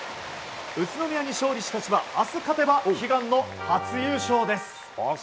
宇都宮に勝利した千葉明日勝てば、悲願の初優勝です。